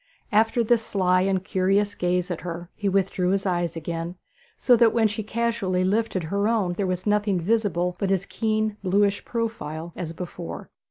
After this sly and curious gaze at her he withdrew his eye again, so that when she casually lifted her own there was nothing visible but his keen bluish profile as before.